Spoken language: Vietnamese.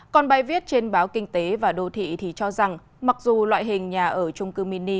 còn bài viết trên báo kinh tế và đô thị thì cho rằng mặc dù loại hình nhà ở trung cư mini